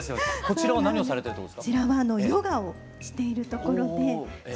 こちらはヨガをしているところで。